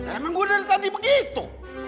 emang gue dari tadi begitu